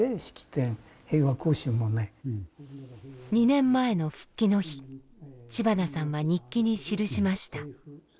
２年前の復帰の日知花さんは日記に記しました。